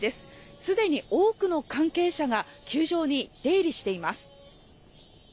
すでに多くの関係者が球場に出入りしています。